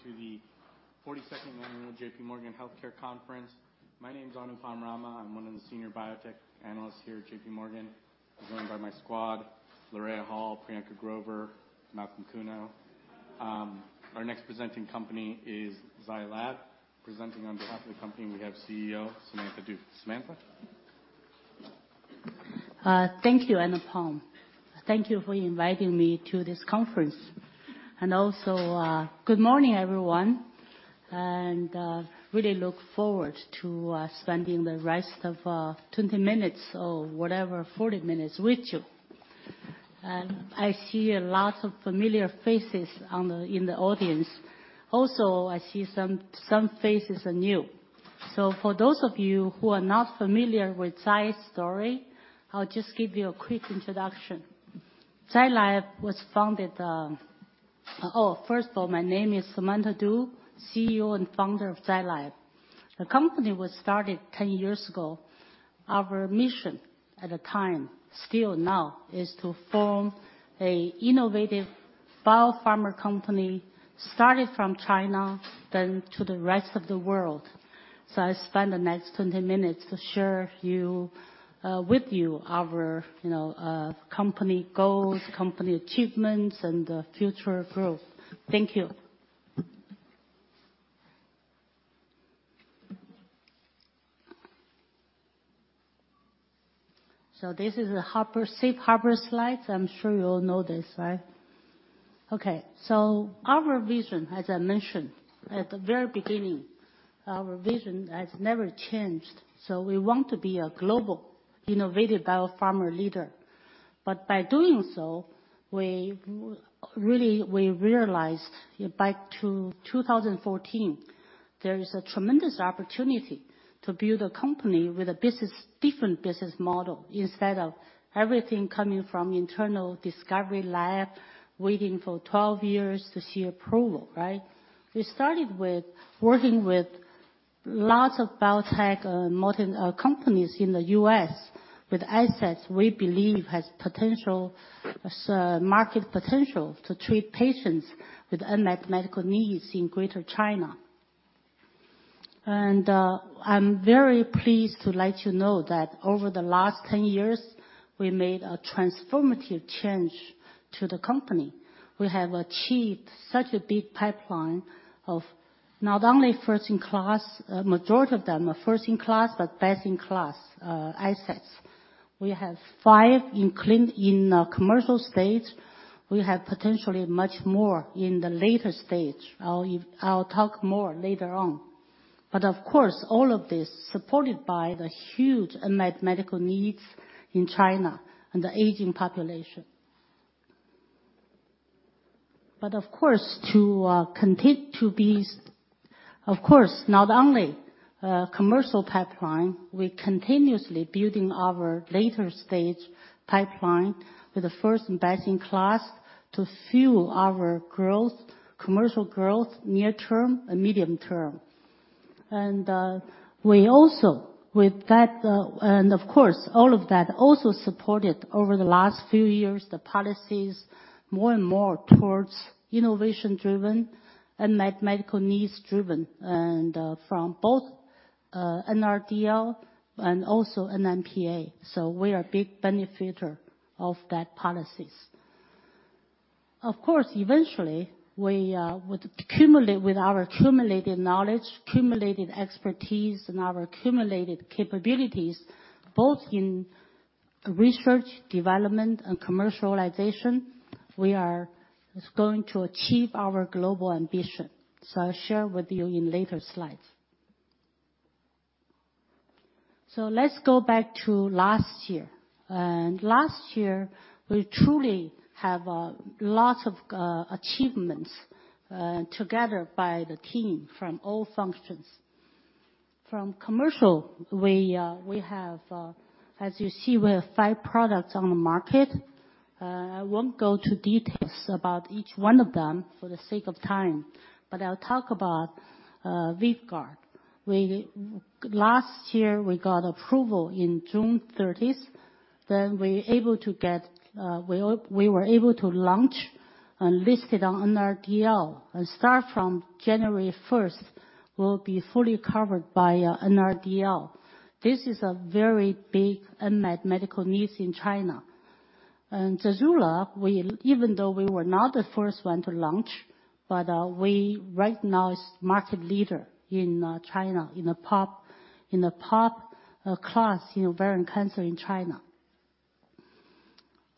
Everyone to the 42nd annual JPMorgan Healthcare Conference. My name is Anupam Rama. I'm one of the senior biotech analysts here at JPMorgan. I'm joined by my squad, LaRhea Hall, Priyanka Grover, Malcolm Kuno. Our next presenting company is Zai Lab. Presenting on behalf of the company, we have CEO Samantha Du. Samantha? Thank you, Anupam. Thank you for inviting me to this conference. Also, good morning, everyone, and really look forward to spending the rest of 20 minutes or whatever, 40 minutes with you. I see a lot of familiar faces in the audience. Also, I see some faces are new. For those of you who are not familiar with Zai's story, I'll just give you a quick introduction. Zai Lab was founded. Oh, first of all, my name is Samantha Du, CEO and founder of Zai Lab. The company was started 10 years ago. Our mission at the time, still now, is to form a innovative biopharma company, started from China, then to the rest of the world. So I spend the next 20 minutes to share you with you our you know company goals, company achievements, and future growth. Thank you. So this is a safe harbor slide. I'm sure you all know this, right? Okay, so our vision, as I mentioned at the very beginning, our vision has never changed. So we want to be a global innovative biopharma leader. But by doing so, we really we realized back to 2014 there is a tremendous opportunity to build a company with a different business model, instead of everything coming from internal discovery lab, waiting for 12 years to see approval, right? We started with working with lots of biotech modern companies in the U.S. with assets we believe has potential market potential to treat patients with unmet medical needs in Greater China. I'm very pleased to let you know that over the last 10 years, we made a transformative change to the company. We have achieved such a big pipeline of not only first-in-class, majority of them are first-in-class, but best-in-class, assets. We have five in commercial stage. We have potentially much more in the later stage. I'll, I'll talk more later on. But of course, all of this supported by the huge unmet medical needs in China and the aging population. But of course, to continue to be. Of course, not only commercial pipeline, we're continuously building our later stage pipeline with the first best-in-class to fuel our growth, commercial growth, near term and medium term. We also, with that, and of course, all of that also supported over the last few years the policies more and more towards innovation-driven and medical needs-driven, and from both NRDL and also NMPA. So we are a big beneficiary of those policies. Of course, eventually, we would culminate with our accumulated knowledge, accumulated expertise, and our accumulated capabilities, both in research, development, and commercialization, we are going to achieve our global ambition. So I'll share with you in later slides. So let's go back to last year. Last year, we truly have lots of achievements together by the team from all functions. From commercial, we have, as you see, we have five products on the market. I won't go to details about each one of them for the sake of time, but I'll talk about VYVGART. Last year, we got approval in June 30. Then we were able to launch and list it on NRDL. And start from January 1st, we'll be fully covered by NRDL. This is a very big unmet medical needs in China. And ZEJULA, even though we were not the first one to launch, but we right now is market leader in China, in the PARP class, you know, ovarian cancer in China.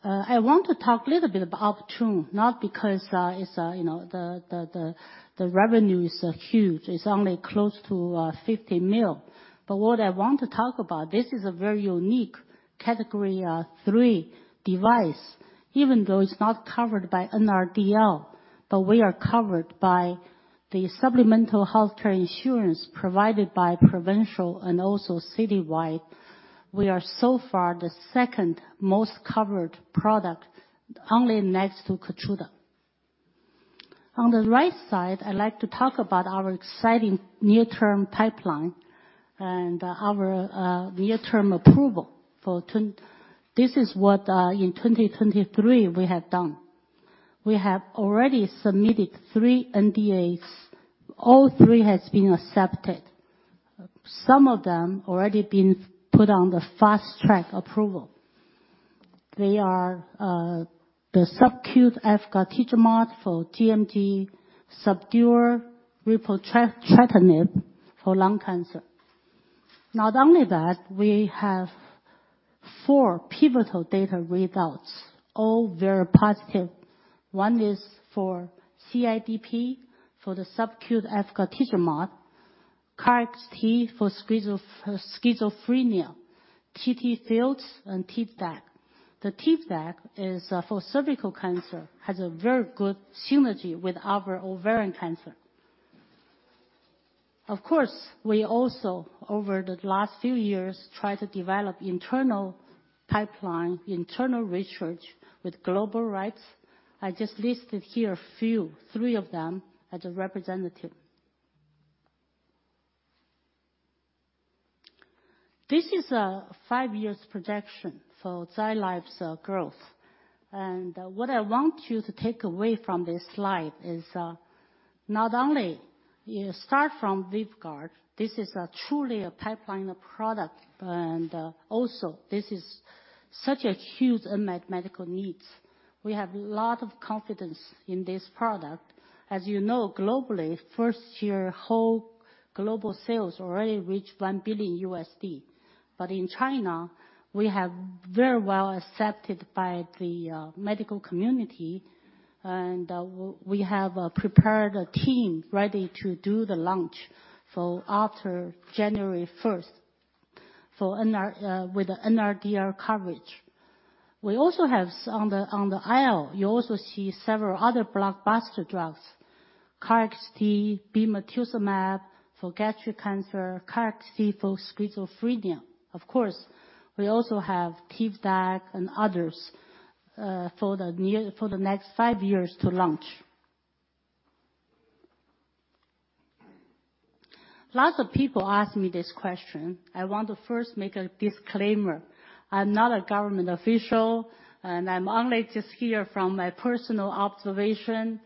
I want to talk a little bit about Optune, not because it's you know, the revenue is huge. It's only close to $50 million. But what I want to talk about, this is a very unique Category III device, even though it's not covered by NRDL, but we are covered by the supplemental healthcare insurance provided by provincial and also citywide. We are so far the second most covered product, only next to KEYTRUDA. On the right side, I'd like to talk about our exciting near-term pipeline. And our near-term approval for twen- this is what in 2023 we have done. We have already submitted three NDAs. All three has been accepted. Some of them already been put on the fast-track approval. They are the VYVGART Hytrulo for gMG, AUGTYRO for lung cancer. Not only that, we have four pivotal data readouts, all very positive. One is for CIDP, for the VYVGART Hytrulo, KarXT for schizo, schizophrenia, TTFields and Tivdak. The Tivdak is for cervical cancer, has a very good synergy with our ovarian cancer. Of course, we also, over the last few years, tried to develop internal pipeline, internal research with global rights. I just listed here a few, three of them as a representative. This is a five-years projection for Zai Lab's growth. What I want you to take away from this slide is, not only you start from VYVGART, this is truly a pipeline of product, and also this is such a huge unmet medical needs. We have a lot of confidence in this product. As you know, globally, first year, whole global sales already reached $1 billion. But in China, we have very well accepted by the medical community, and we have prepared a team ready to do the launch for after January first for NRDL with the NRDL coverage. We also have on the slide, you also see several other blockbuster drugs, KarXT, bemarituzumab for gastric cancer, KarXT for schizophrenia. Of course, we also have Tivdak and others for the next five years to launch. Lots of people ask me this question. I want to first make a disclaimer. I'm not a government official, and I'm only just here from my personal observation.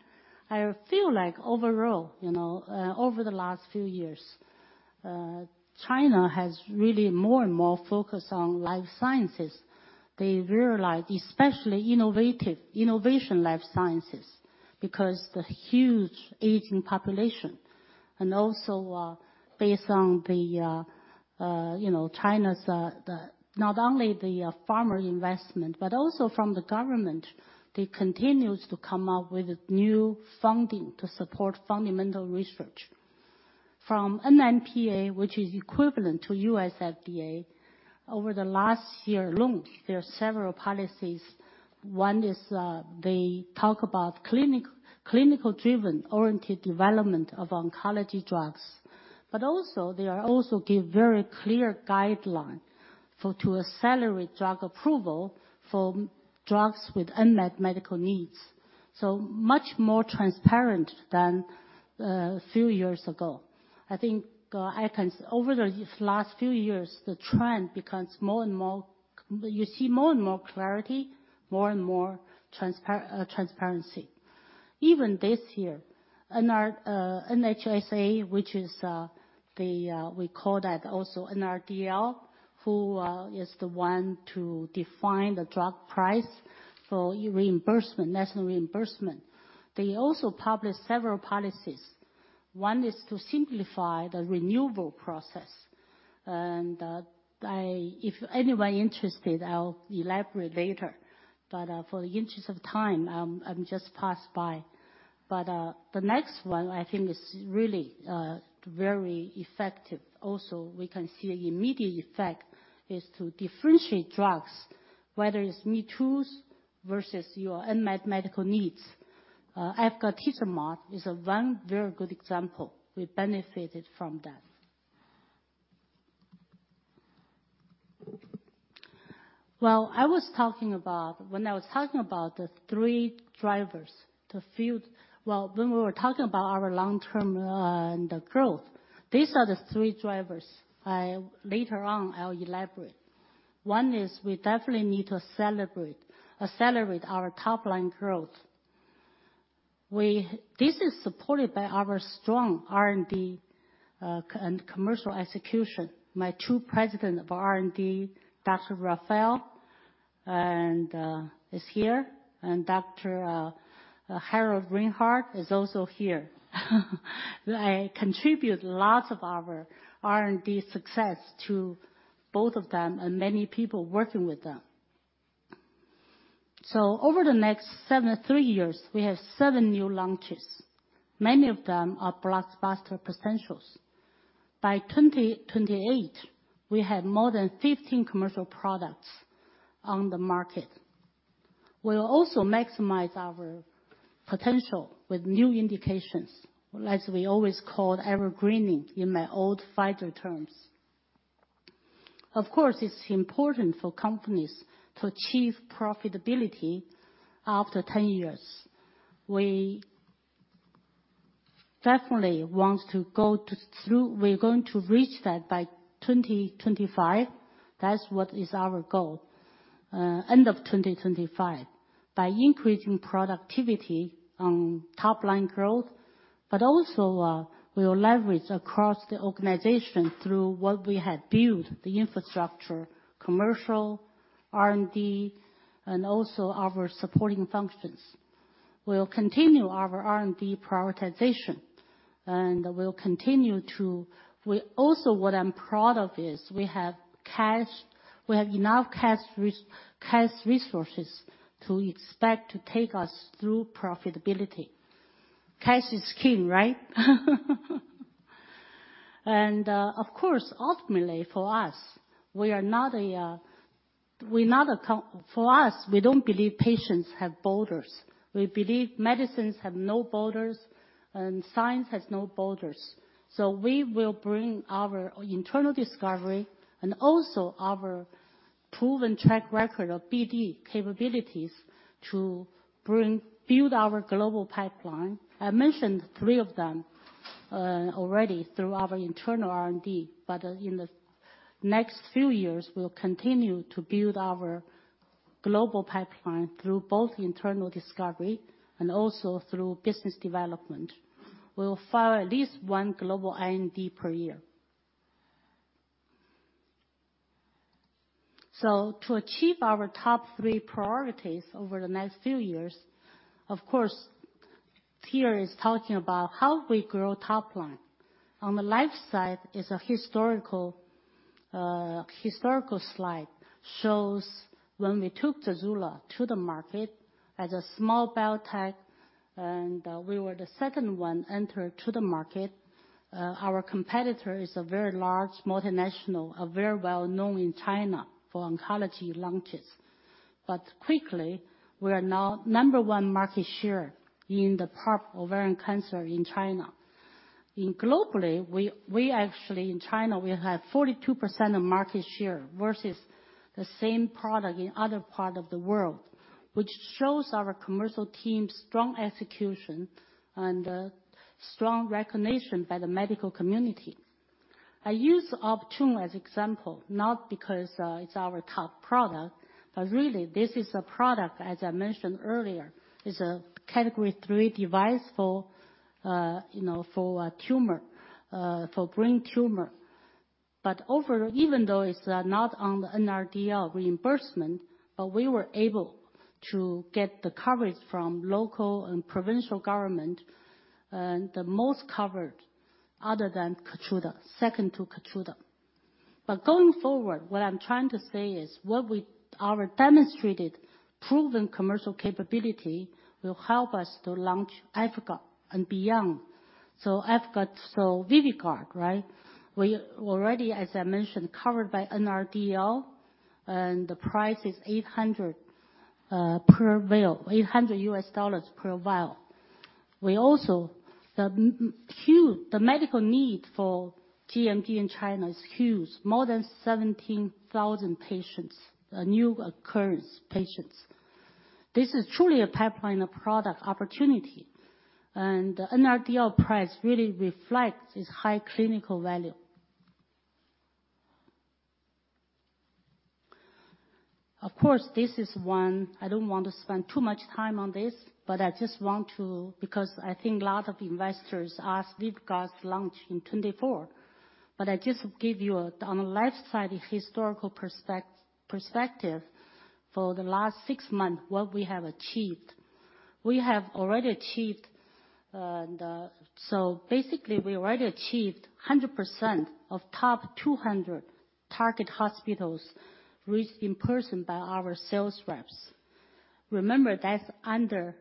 I feel like overall, you know, over the last few years, China has really more and more focused on life sciences. They realize, especially in innovation life sciences, because the huge aging population, and also, based on the, you know, China's not only the pharma investment, but also from the government, they continue to come up with new funding to support fundamental research. From NMPA, which is equivalent to U.S. FDA, over the last year alone, there are several policies. One is, they talk about clinical driven oriented development of oncology drugs, but also, they also give very clear guideline to accelerate drug approval for drugs with unmet medical needs. So much more transparent than a few years ago. I think, I can. Over the last few years, the trend becomes more and more—you see more and more clarity, more and more transparency. Even this year, NR, NHSA, which is, the, we call that also NRDL, who, is the one to define the drug price for reimbursement, national reimbursement. They also published several policies. One is to simplify the renewable process, and, if anybody interested, I'll elaborate later. But, for the interest of time, I'm just passing by. But, the next one, I think, is really, very effective. Also, we can see the immediate effect, is to differentiate drugs, whether it's me-toos versus your unmet medical needs. VYVGART Hytrulo is one very good example. We benefited from that. Well, I was talking about when I was talking about the three drivers, the field. Well, when we were talking about our long-term growth, these are the three drivers. Later on, I'll elaborate. One is we definitely need to accelerate our top line growth. This is supported by our strong R&D and commercial execution. My two presidents of R&D, Dr. Rafael and Dr. Harald Reinhart, are here. I contribute lots of our R&D success to both of them and many people working with them. So over the next three years, we have seven new launches. Many of them are blockbuster potentials. By 2028, we have more than 15 commercial products on the market. We'll also maximize our potential with new indications, as we always called evergreening in my old Pfizer terms. Of course, it's important for companies to achieve profitability after 10 years. We definitely want to go through—we're going to reach that by 2025. That's what is our goal, end of 2025, by increasing productivity on top line growth, but also, we will leverage across the organization through what we had built, the infrastructure, commercial, R&D, and also our supporting functions. We'll continue our R&D prioritization, and we'll continue to. Also, what I'm proud of is we have cash. We have enough cash resources to expect to take us through profitability. Cash is king, right? And, of course, ultimately, for us, we are not a, we're not a company for us, we don't believe patients have borders. We believe medicines have no borders and science has no borders. So we will bring our internal discovery and also our proven track record of BD capabilities to build our global pipeline. I mentioned three of them already through our internal R&D, but in the next few years, we'll continue to build our global pipeline through both internal discovery and also through business development. We'll file at least one Global IND per year. So to achieve our top three priorities over the next few years, of course, here is talking about how we grow top line. On the left side is a historical historical slide, shows when we took ZEJULA to the market as a small biotech, and we were the second one entered to the market. Our competitor is a very large multinational, a very well-known in China for oncology launches. But quickly, we are now number one market share in the PARP ovarian cancer in China. Globally, we actually in China, we have 42% of market share versus the same product in other parts of the world, which shows our commercial team's strong execution and strong recognition by the medical community. I use Optune as an example, not because it's our top product, but really, this is a product, as I mentioned earlier, is a Category Three device for, you know, for a tumor, for brain tumor. But even though it's not on the NRDL reimbursement, but we were able to get the coverage from local and provincial government, and the most covered other than KEYTRUDA, second to KEYTRUDA. But going forward, what I'm trying to say is, our demonstrated proven commercial capability will help us to launch VYVGART and beyond. So VYVGART, so VYVGART, right? We already, as I mentioned, covered by NRDL, and the price is $800 per vial, $800 per vial. We also, the medical need for gMG in China is huge, more than 17,000 patients, new occurrence patients. This is truly a pipeline of product opportunity, and NRDL price really reflects this high clinical value. Of course, this is one... I don't want to spend too much time on this, but I just want to-- because I think a lot of investors ask VYVGART's launch in 2024. But I just give you a, on the left side, a historical perspective for the last six months, what we have achieved. We have already achieved, and, so basically, we already achieved 100% of top 200 target hospitals reached in person by our sales reps. Remember, that's under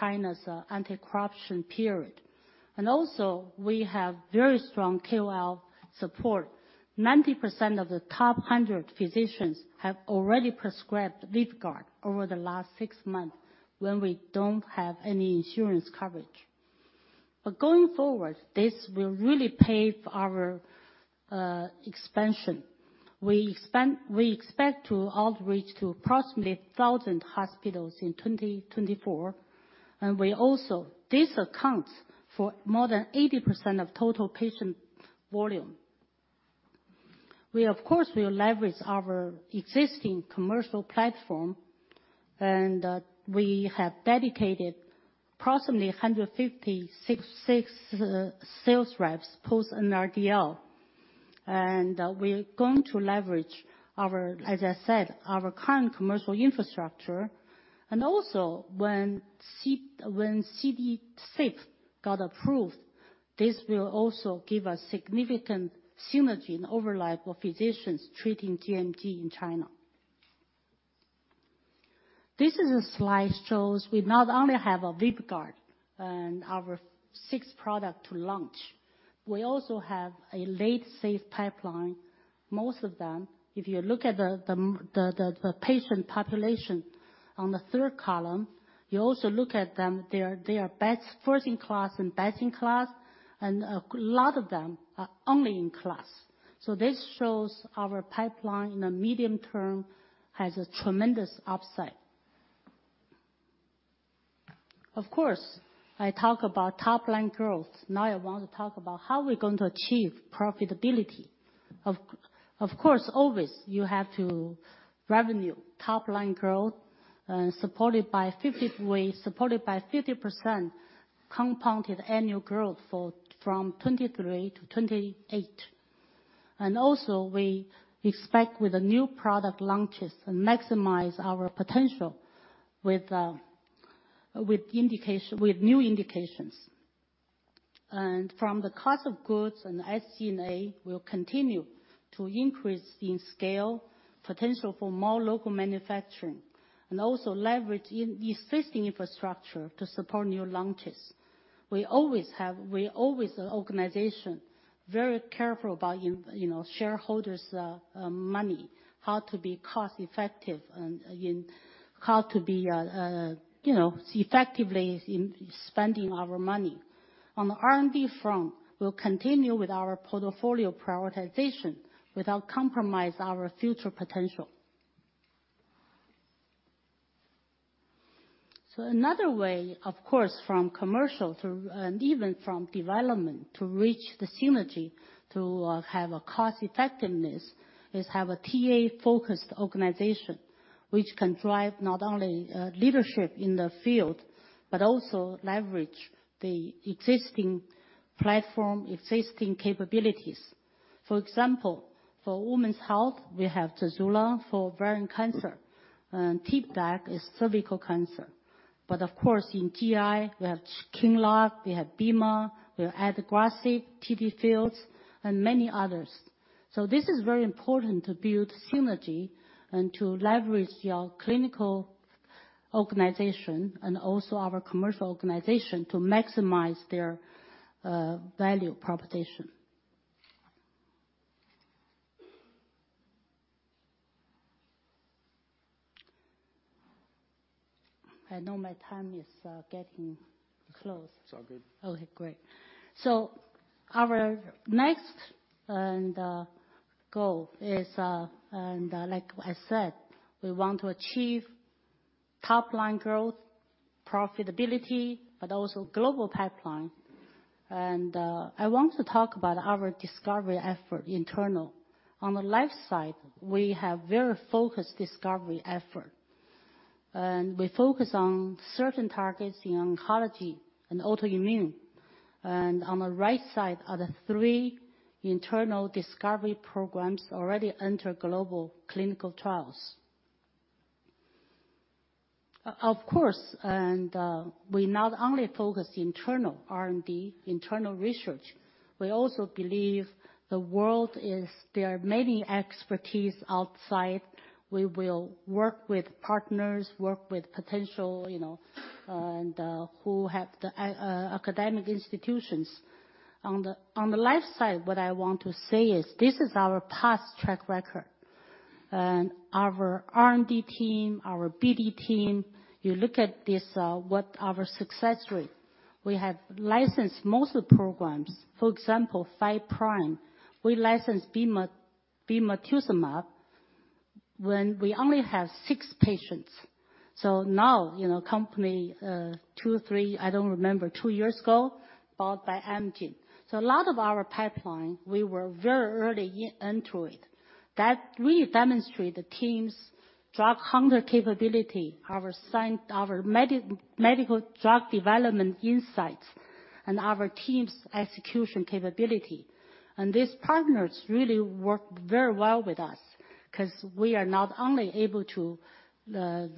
China's anti-corruption period. And also, we have very strong KOL support. 90% of the top 100 physicians have already prescribed VYVGART over the last six months when we don't have any insurance coverage. But going forward, this will really pave our expansion. We expect to outreach to approximately 1,000 hospitals in 2024, and this accounts for more than 80% of total patient volume. We of course will leverage our existing commercial platform, and we have dedicated approximately 156 sales reps post-NRDL. And we're going to leverage our, as I said, our current commercial infrastructure. And also, when CIDP got approved, this will also give us significant synergy and overlap of physicians treating gMG in China. This slide shows we not only have a VYVGART and our sixth product to launch, we also have a late-stage pipeline. Most of them, if you look at the patient population on the third column, you also look at them, they are best first in class and best in class, and a lot of them are only in class. So this shows our pipeline in the medium term has a tremendous upside. Of course, I talk about top line growth. Now I want to talk about how we're going to achieve profitability. Of course, always you have to revenue, top line growth, supported by 50% compounded annual growth from 2023 to 2028. And also, we expect with the new product launches and maximize our potential with new indications. From the cost of goods and SG&A, we'll continue to increase in scale, potential for more local manufacturing, and also leverage existing infrastructure to support new launches. We're always an organization very careful about, you know, shareholders' money, how to be cost-effective, and how to be, you know, effective in spending our money. On the R&D front, we'll continue with our portfolio prioritization without compromise our future potential. So another way, of course, from commercial through, and even from development, to reach the synergy, to have a cost effectiveness, is have a TA-focused organization, which can drive not only leadership in the field, but also leverage the existing platform, existing capabilities. For example, for women's health, we have ZEJULA for ovarian cancer, and Tivdak is cervical cancer. But of course, in GI, we have QINLOCK, we have bemarituzumab, we have Adagrasib, TTFields, and many others. So this is very important to build synergy and to leverage your clinical organization and also our commercial organization to maximize their value proposition. I know my time is getting close. It's all good. Okay, great. So our next goal is, like I said, we want to achieve top line growth, profitability, but also global pipeline. I want to talk about our discovery effort internal. On the left side, we have very focused discovery effort, and we focus on certain targets in oncology and autoimmune. And on the right side are the three internal discovery programs already enter global clinical trials. Of course, we not only focus internal R&D, internal research, we also believe the world is... There are many expertise outside. We will work with partners, work with potential, you know, and who have the academic institutions. On the left side, what I want to say is, this is our past track record. Our R&D team, our BD team, you look at this, what our success rate. We have licensed most of the programs. For example, Five Prime. We licensed bemarituzumab, when we only have six patients. So now, you know, company, two, three, I don't remember, two years ago, bought by Amgen. So a lot of our pipeline, we were very early into it. That really demonstrate the team's drug hunter capability, our science, our medical drug development insights and our team's execution capability. And these partners really work very well with us 'cause we are not only able to,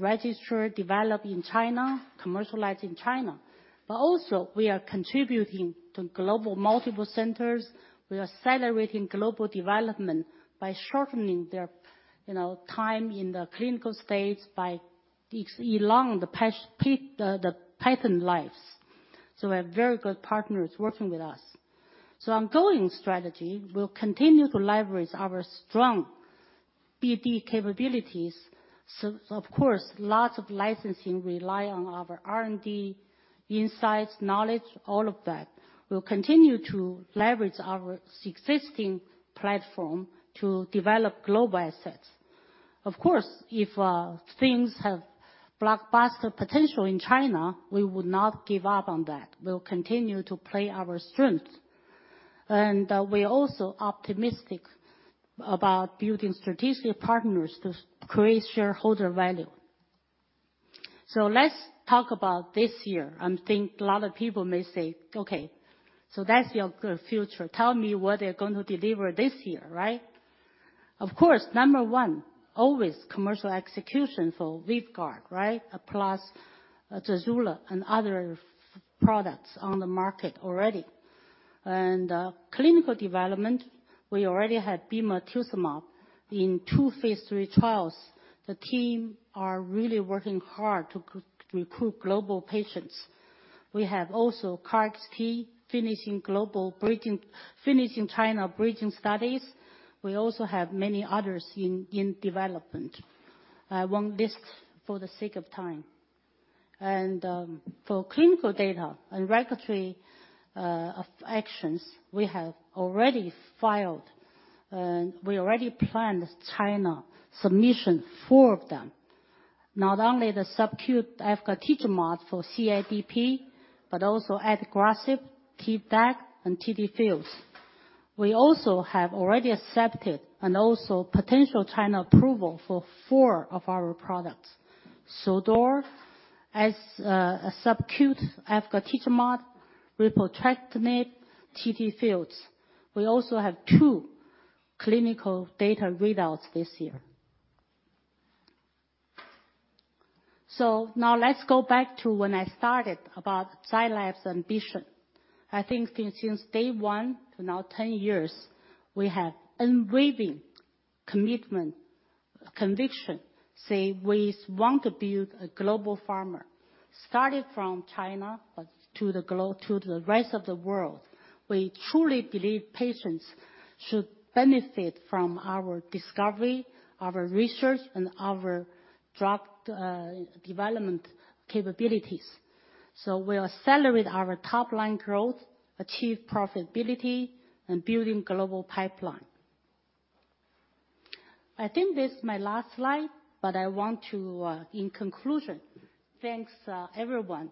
register, develop in China, commercialize in China, but also we are contributing to global multiple centers. We are accelerating global development by shortening their, you know, time in the clinical states, by extending the patent lives. So we have very good partners working with us. So ongoing strategy, we'll continue to leverage our strong BD capabilities. So of course, lots of licensing rely on our R&D, insights, knowledge, all of that. We'll continue to leverage our existing platform to develop global assets. Of course, if things have blockbuster potential in China, we would not give up on that. We'll continue to play our strength. And we're also optimistic about building strategic partners to create shareholder value. So let's talk about this year. I think a lot of people may say, "Okay, so that's your good future. Tell me what they're going to deliver this year," right? Of course, number one, always commercial execution for VYVGART, right? Plus ZEJULA and other products on the market already. And clinical development, we already had bemarituzumab in two phase III trials. The team are really working hard to recruit global patients. We have also CAR T finishing global bridging, finishing China bridging studies. We also have many others in development. I won't list for the sake of time. For clinical data and regulatory actions, we have already filed, and we already planned China submission, four of them. Not only the subcutaneous efgartigimod for CIDP, but also AUGTYRO, Tivdak, and TTFields. We also have already accepted and also potential China approval for four of our products. XACDURO, subcutaneous efgartigimod, repotrectinib, TTFields. We also have two clinical data readouts this year. So now let's go back to when I started about Zai Lab's ambition. I think since day one to now 10 years, we have unwavering commitment, conviction, say we want to build a global pharma, starting from China, but to the globe to the rest of the world. We truly believe patients should benefit from our discovery, our research and our drug development capabilities. So we are accelerate our top line growth, achieve profitability and building global pipeline. I think this is my last slide, but I want to in conclusion, thanks everyone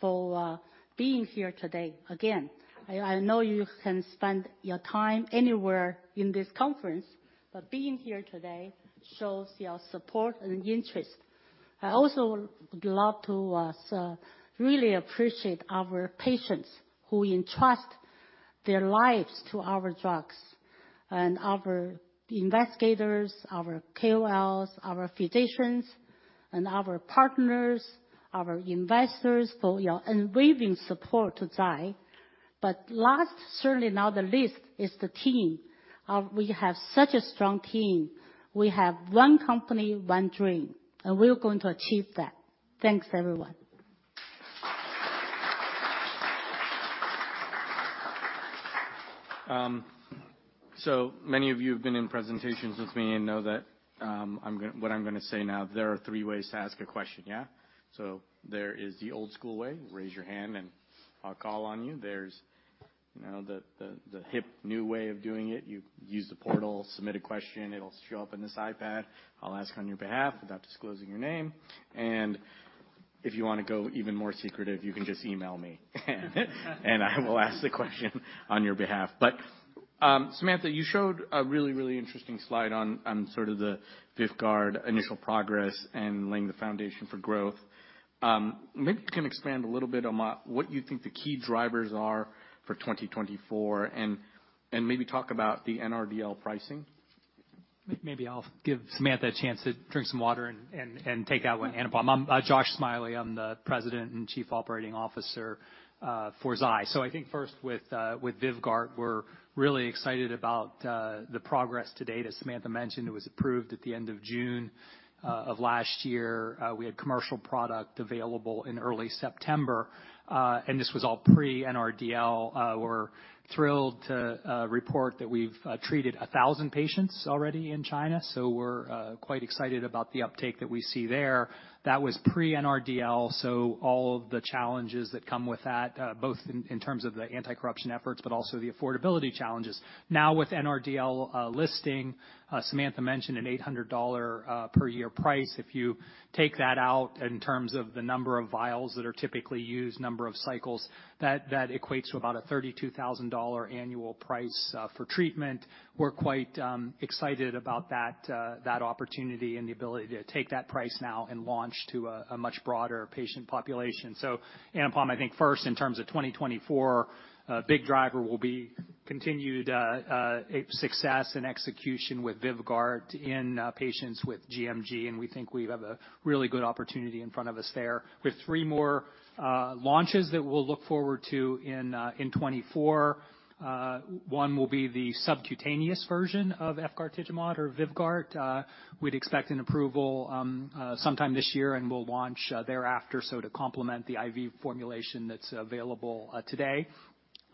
for being here today. Again, I know you can spend your time anywhere in this conference, but being here today shows your support and interest. I also would love to really appreciate our patients who entrust their lives to our drugs and our investigators, our KOLs, our physicians, and our partners, our investors, for your unwavering support to Zai. Last, certainly not the least, is the team. We have such a strong team. We have one company, one dream, and we're going to achieve that. Thanks, everyone. So many of you have been in presentations with me and know that what I'm going to say now, there are three ways to ask a question, yeah? So there is the old school way, raise your hand and I'll call on you. There's, you know, the hip new way of doing it, you use the portal, submit a question, it'll show up in this iPad. I'll ask on your behalf without disclosing your name. And if you want to go even more secretive, you can just email me, and I will ask the question on your behalf. But Samantha, you showed a really, really interesting slide on sort of the VYVGART initial progress and laying the foundation for growth. Maybe you can expand a little bit on what you think the key drivers are for 2024, and maybe talk about the NRDL pricing. Maybe I'll give Samantha a chance to drink some water and take that one, Anupam. I'm Josh Smiley, I'm the President and Chief Operating Officer for Zai. So I think first with VYVGART, we're really excited about the progress to date. As Samantha mentioned, it was approved at the end of June of last year. We had commercial product available in early September, and this was all pre-NRDL. We're thrilled to report that we've treated 1,000 patients already in China, so we're quite excited about the uptake that we see there. That was pre-NRDL, so all of the challenges that come with that, both in terms of the anti-corruption efforts, but also the affordability challenges. Now, with NRDL listing, Samantha mentioned an $800 per year price. If you take that out in terms of the number of vials that are typically used, number of cycles, that equates to about a $32,000 annual price for treatment. We're quite excited about that opportunity and the ability to take that price now and launch to a much broader patient population. So Anupam, I think first, in terms of 2024, a big driver will be continued success and execution with VYVGART in patients with gMG, and we think we have a really good opportunity in front of us there. With three more launches that we'll look forward to in 2024. One will be the subcutaneous version of efgartigimod or VYVGART. We'd expect an approval sometime this year, and we'll launch thereafter, so to complement the IV formulation that's available today.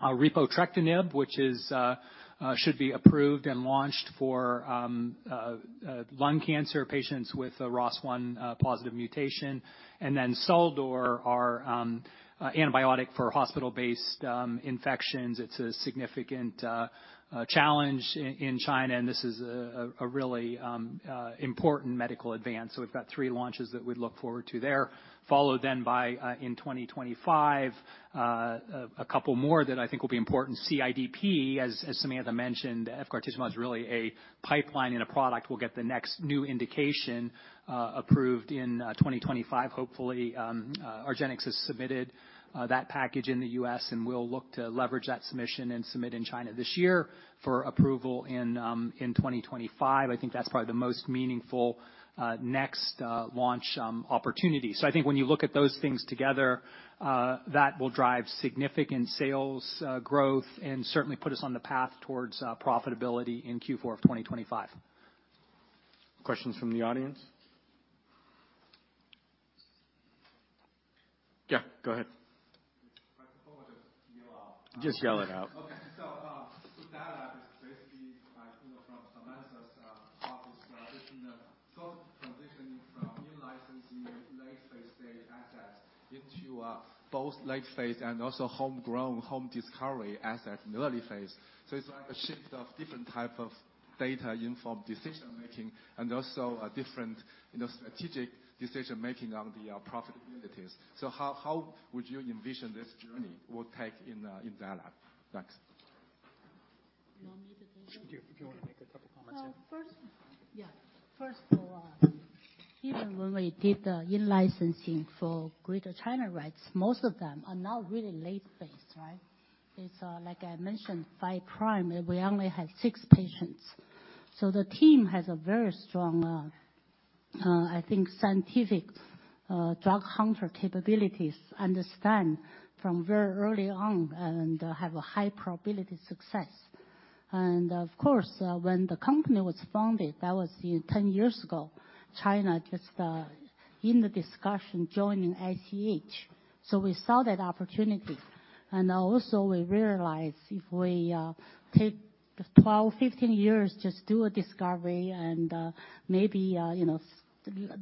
Repotrectinib, which is, should be approved and launched for, lung cancer patients with a ROS1 positive mutation, and then XACDURO, our antibiotic for hospital-based infections. It's a significant challenge in China, and this is a really important medical advance. So we've got three launches that we'd look forward to there. Followed then by, in 2025, a couple more that I think will be important. CIDP, as Samantha mentioned, efgartigimod is really a pipeline in a product. We'll get the next new indication approved in 2025. Hopefully, argenx has submitted that package in the U.S., and we'll look to leverage that submission and submit in China this year for approval in 2025. I think that's probably the most meaningful next launch opportunity. So I think when you look at those things together, that will drive significant sales growth and certainly put us on the path towards profitability in Q4 of 2025.... Questions from the audience? Yeah, go ahead. I probably just yell out. Just yell it out. Okay. So, the data is basically, like, you know, from Samantha's, office, is in the sort of transitioning from new licensing late-stage assets into, both late phase and also homegrown home discovery assets in the early phase. So it's like a shift of different type of data-informed decision making and also a different, you know, strategic decision making on the, profitabilities. So how, how would you envision this journey will take in, in Zai Lab? Thanks. You want me to take it? If you, if you wanna make a couple comments. First, yeah. First of all, even when we did the in-licensing for Greater China rights, most of them are now really late-phase, right? It's, like I mentioned, five prime, we only have six patients. So the team has a very strong, I think, scientific, drug hunter capabilities, understand from very early on and have a high probability of success. And of course, when the company was founded, that was 10 years ago, China just in the discussion joining ICH. So we saw that opportunity. And also we realized if we take 12-15 years just do a discovery and maybe, you know,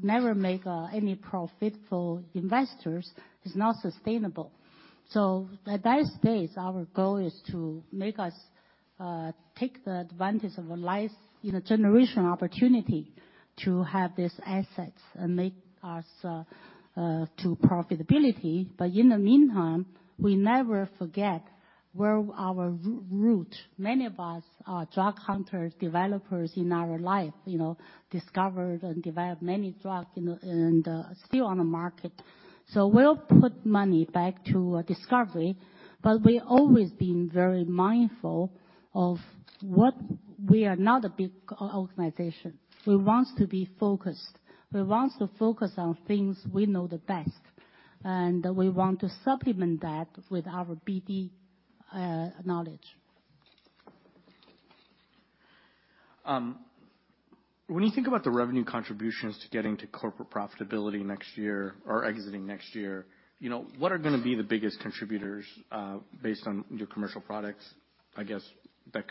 never make any profit for investors, it's not sustainable. So at that space, our goal is to make us take the advantage of a life, you know, generation opportunity to have these assets and make us to profitability. But in the meantime, we never forget where our root. Many of us are drug hunters, developers in our life, you know, discovered and developed many drugs, you know, and still on the market. So we'll put money back to discovery, but we've always been very mindful of what. We are not a big organization. We want to be focused. We want to focus on things we know the best, and we want to supplement that with our BD knowledge. When you think about the revenue contributions to getting to corporate profitability next year or exiting next year, you know, what are gonna be the biggest contributors, based on your commercial products, I guess, that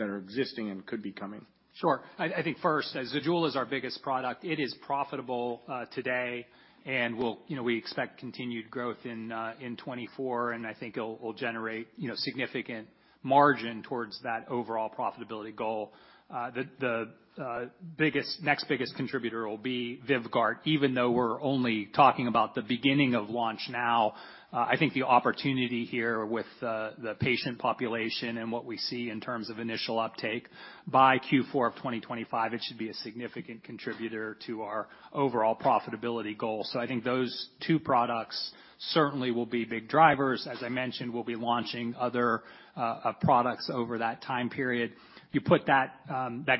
are existing and could be coming? Sure. I think first, as ZEJULA is our biggest product, it is profitable today, and we'll, you know, we expect continued growth in 2024, and I think it'll generate, you know, significant margin towards that overall profitability goal. The next biggest contributor will be VYVGART, even though we're only talking about the beginning of launch now. I think the opportunity here with the patient population and what we see in terms of initial uptake by Q4 of 2025, it should be a significant contributor to our overall profitability goal. So I think those two products certainly will be big drivers. As I mentioned, we'll be launching other products over that time period. You put that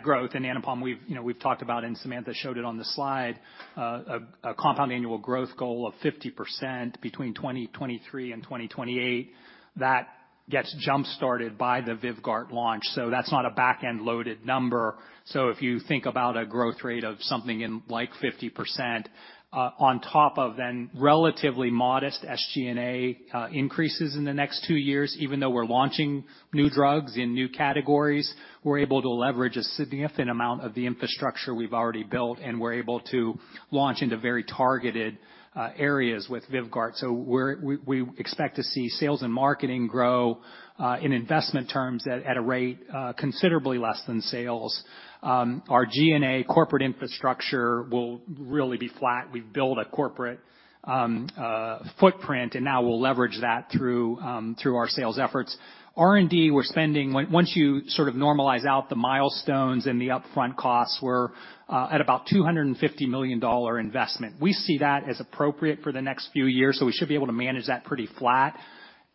growth in non-promo, we've, you know, we've talked about, and Samantha showed it on the slide, a compounding annual growth goal of 50% between 2023 and 2028. That gets jump-started by the VYVGART launch, so that's not a back-end loaded number. So if you think about a growth rate of something in, like 50%, on top of then relatively modest SG&A increases in the next two years, even though we're launching new drugs in new categories, we're able to leverage a significant amount of the infrastructure we've already built, and we're able to launch into very targeted areas with VYVGART. So we expect to see sales and marketing grow in investment terms at a rate considerably less than sales. Our G&A corporate infrastructure will really be flat. We've built a corporate footprint, and now we'll leverage that through our sales efforts. R&D, we're spending. Once you sort of normalize out the milestones and the upfront costs, we're at about $250 million investment. We see that as appropriate for the next few years, so we should be able to manage that pretty flat,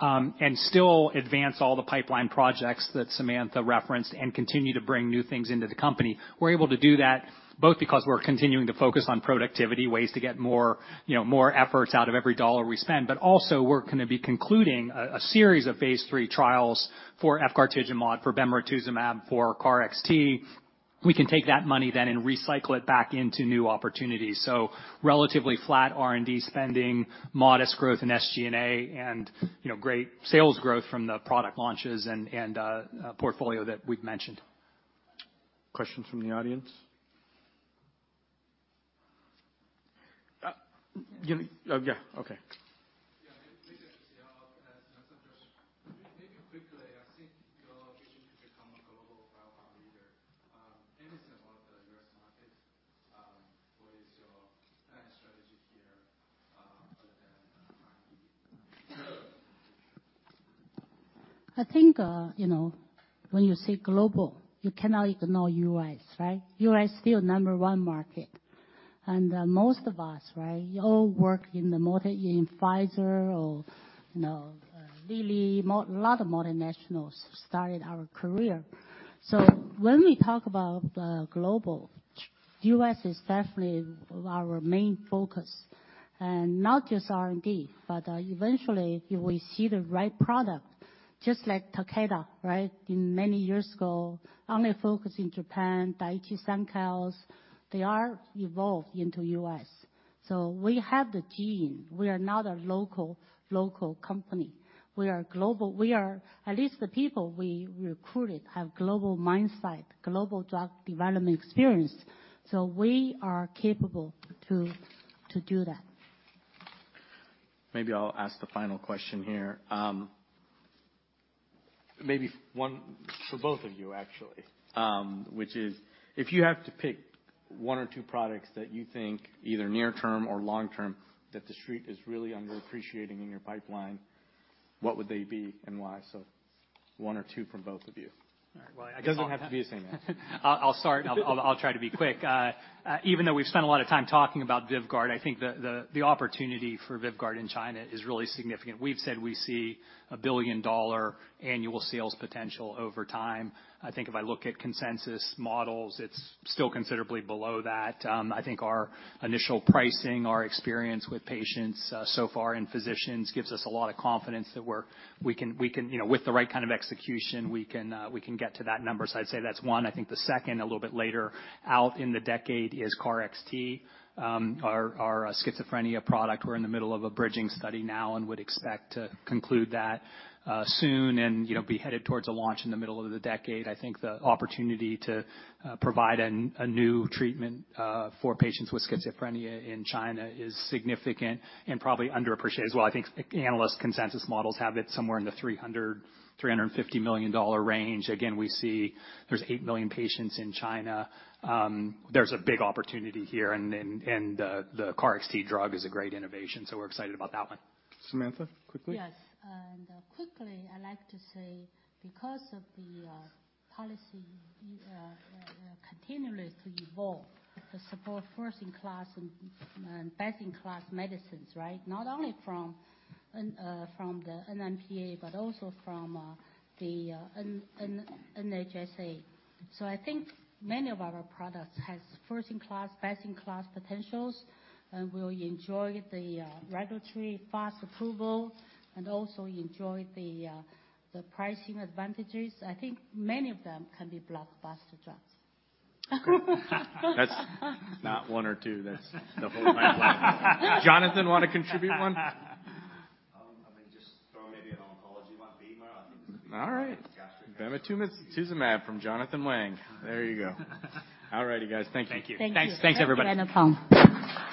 and still advance all the pipeline projects that Samantha referenced and continue to bring new things into the company. We're able to do that both because we're continuing to focus on productivity, ways to get more, you know, more efforts out of every dollar we spend, but also we're gonna be concluding a series of phase III trials for efgartigimod, for bemarituzumab, for KarXT. We can take that money then and recycle it back into new opportunities. So relatively flat R&D spending, modest growth in SG&A, and, you know, great sales growth from the product launches and portfolio that we've mentioned. Questions from the audience? Yeah. Okay. Yeah, maybe I'll ask another question. Maybe quickly, I think your vision to become a global biotech leader, independent of the U.S. market, what is your kind of strategy here, other than trying? I think, you know, when you say global, you cannot ignore U.S., right? U.S. still number one market, and, most of us, right, all work in the multinationals in Pfizer or, you know, really a lot of multinationals started our career. So when we talk about global, U.S. is definitely our main focus... And not just R&D, but eventually, if we see the right product, just like Takeda, right? In many years ago, only focused in Japan, Daiichi Sankyo, they are evolved into U.S.. So we have the gene. We are not a local, local company. We are global. We are at least the people we recruited have global mindset, global drug development experience, so we are capable to do that. Maybe I'll ask the final question here. Maybe one for both of you actually, which is: if you have to pick one or two products that you think, either near term or long term, that the street is really underappreciating in your pipeline, what would they be and why? So one or two from both of you. All right. Well, It doesn't have to be the same answer. I'll start, and I'll try to be quick. Even though we've spent a lot of time talking about VYVGART, I think the opportunity for VYVGART in China is really significant. We've said we see a billion-dollar annual sales potential over time. I think if I look at consensus models, it's still considerably below that. I think our initial pricing, our experience with patients so far, and physicians, gives us a lot of confidence that we can, we can. You know, with the right kind of execution, we can get to that number. So I'd say that's one. I think the second, a little bit later, out in the decade is KarXT, our schizophrenia product. We're in the middle of a bridging study now and would expect to conclude that soon and, you know, be headed towards a launch in the middle of the decade. I think the opportunity to provide a new treatment for patients with schizophrenia in China is significant and probably underappreciated as well. I think analyst consensus models have it somewhere in the $300 million-$350 million range. Again, we see there's 8 million patients in China. There's a big opportunity here, and the KarXT drug is a great innovation, so we're excited about that one. Samantha, quickly? Yes, and quickly, I'd like to say, because of the policy continuously evolve to support first-in-class and best-in-class medicines, right? Not only from the NMPA, but also from the NHSA. So I think many of our products has first-in-class, best-in-class potentials and will enjoy the pricing advantages. I think many of them can be blockbuster drugs. That's not one or two. That's the whole pipeline. Jonathan, want to contribute one? I mean, just throw maybe an oncology one. Bemarituzumab, I think this would be. All right. Bemarituzumab from Jonathan Wang. There you go. All righty, guys. Thank you. Thank you. Thank you. Thanks. Thanks, everybody. Thank you, and applause.